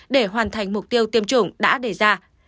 để hoàn thành mục tiêu tiêm chủng đã đề ra